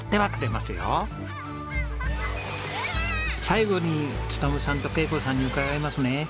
最後に勉さんと恵子さんに伺いますね。